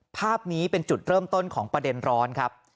ภาพนี้เป็นจุดเริ่มต้นของประเด็นร้อนครับ